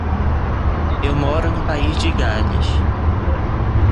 Eu moro no País de Gales.